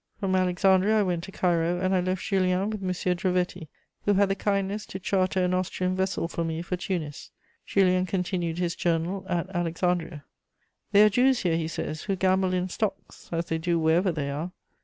From Alexandria I went to Cairo, and I left Julien with M. Drovetti, who had the kindness to charter an Austrian vessel for me for Tunis. Julien continued his journal at Alexandria: "There are Jews here," he says, "who gamble in stocks, as they do wherever they are.